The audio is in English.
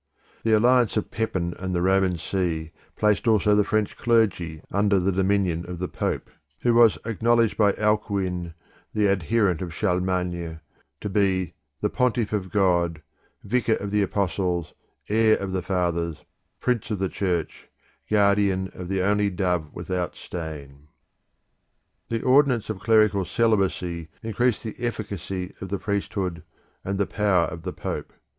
The alliance of Pepin and the Roman See placed also the French clergy under the dominion of the Pope, who was acknowledged by Alcuin, the adherent of Charlemagne, to be the "Pontiff of God, vicar of the apostles, heir of the fathers, prince of the Church, guardian of the only dove without stain." The Church The ordinance of clerical celibacy increased the efficacy of the priesthood and the power of the Pope.